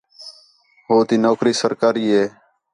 ہُوتی نوکری سرکاری ہے